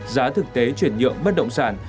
giá thực tế chuyển nhượng bất động sản